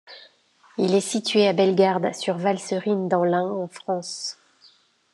Il est situé à Bellegarde-sur-Valserine dans l'Ain, en France.